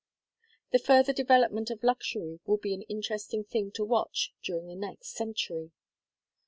The further development of luxury will be an interesting thing to watch during the next century.